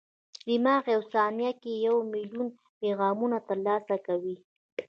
دماغ په یوه ثانیه کې یو ملیون پیغامونه ترلاسه کوي.